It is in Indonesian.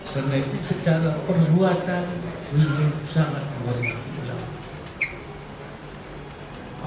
karena itu secara perbuatan ini sangat menghargai ulama